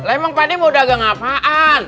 emang padi mau dagang apaan